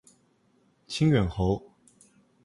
清远侯。